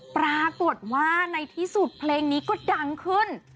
ปรากฏว่าในที่สุดเพลงนี้ก็ดังขึ้น